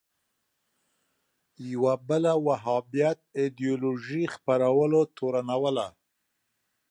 یوه بله وهابیت ایدیالوژۍ خپرولو تورنوله